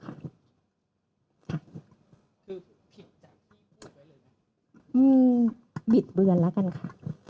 คือผิดจากที่พูดเลยหรือยังบิดเบือนแล้วกันค่ะ